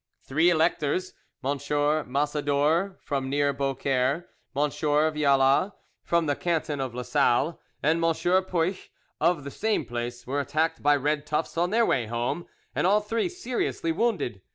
Three electors—M. Massador from near Beaucaire, M. Vialla from the canton of Lasalle, and M. Puech of the same place were attacked by red tufts on their way home, and all three seriously wounded.